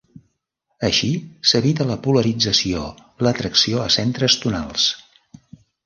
Així s'evita la polarització, l'atracció a centres tonals.